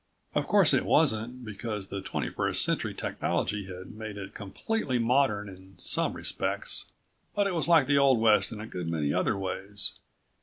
Of course it wasn't, because the twenty first century technology had made it completely modern in some respects. But it was like the Old West in a good many other ways.